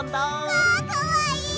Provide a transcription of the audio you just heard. わあかわいい！